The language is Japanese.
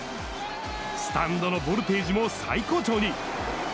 スタンドのボルテージも最高潮に。